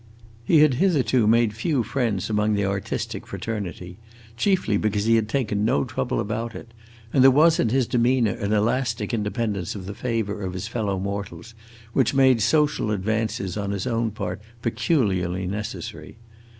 He had hitherto made few friends among the artistic fraternity; chiefly because he had taken no trouble about it, and there was in his demeanor an elastic independence of the favor of his fellow mortals which made social advances on his own part peculiarly necessary.